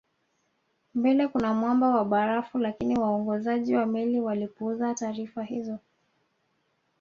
Mbele kuna mwamba wa barafu lakini waongozaji wa meli walipuuza taarifa hizo